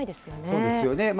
そうですよね。